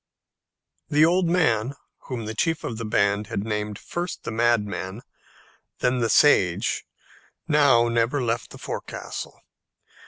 The old man whom the chief of the band had named first the Madman, then the Sage, now never left the forecastle.